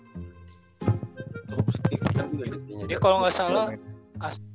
jadi kalau gak salah